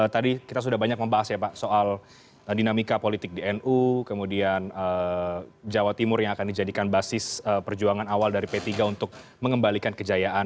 tadi kita sudah banyak membahas ya pak soal dinamika politik di nu kemudian jawa timur yang akan dijadikan basis perjuangan awal dari p tiga untuk mengembalikan kejayaan